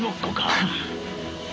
フッ。